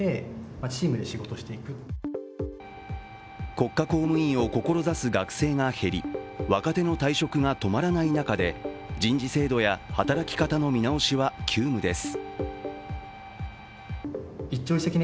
国家公務員を志す学生が減り若手の退職が止まらない中で、人事制度や働き方の見直しは急務です。